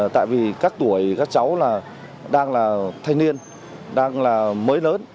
tại vì các tuổi các cháu là đang là thanh niên đang là mới lớn